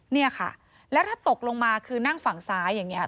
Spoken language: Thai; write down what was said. เนี่ยค่ะแล้วถ้าตกลงมาคือนั่งฝั่งซ้ายอย่างนี้